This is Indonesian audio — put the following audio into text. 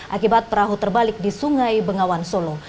akibat perahu terbalik di sungai bengawan solo